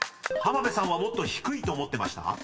［浜辺さんはもっと低いと思ってました？］